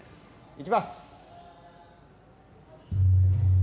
いきます！